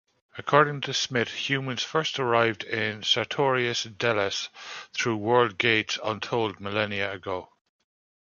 According to Smith, humans first arrived on Sartorias-deles through world gates untold millennia ago.